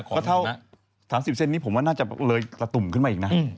ก็เท่า๓๐เซนนี้ผมว่าน่าจะเลยตะตุ่มขึ้นมาอีกนะ